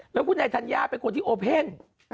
แล้วคุณนายธัญญาเป็นคนที่โอเพ่น